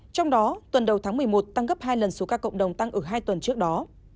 trong đó tuần đầu tháng một mươi một tăng gấp hai lần số ca cộng đồng tăng ở hai tuần trước đó